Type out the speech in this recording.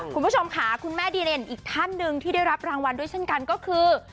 คุณผู้ชมค่ะคุณแม่ดีเด่นอีกท่านหนึ่งที่ได้รับรางวัลด้วยเช่นกันก็คือ